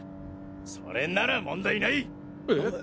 それなら問題ない。え！？え？